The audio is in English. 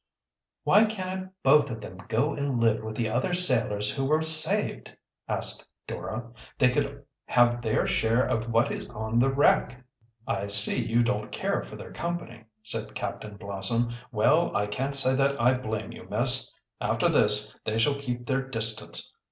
"Why cannot both of them go and live with the other sailors who were saved?" asked Dora. "They could have their share of what is on the wreck." "I see you don't care for their company," said Captain Blossom. "Well, I can't say that I blame you, miss. After this they shall keep their distance.